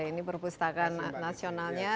ini perpustakaan nasionalnya